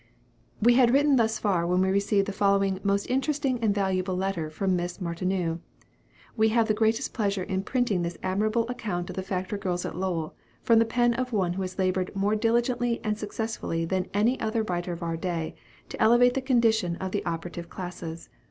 We had written thus far when we received the following most interesting and valuable letter from Miss Martineau. We have the greatest pleasure in printing this admirable account of the factory girls at Lowell, from the pen of one who has labored more diligently and successfully than any writer of our day, to elevate the condition of the operative classes.